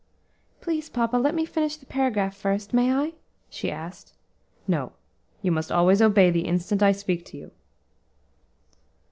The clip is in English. "Please, papa, let me finish the paragraph first; may I?" she asked. "No; you must always obey the instant I speak to you."